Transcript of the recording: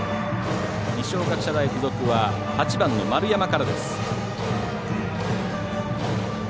二松学舎大付属は８番の丸山からです。